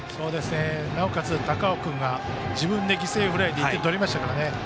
なおかつ、高尾君が自分で犠牲フライで１点、取りましたからね。